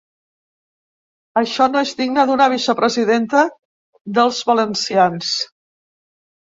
Això no és digne d'una vicepresidenta dels valencians.